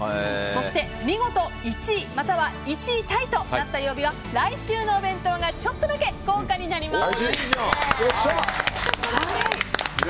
そして見事１位または１位タイとなった曜日は来週のお弁当がちょっとだけ豪華になります！